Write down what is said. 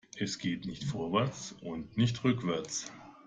Es geht nicht vorwärts und nicht rückwärts.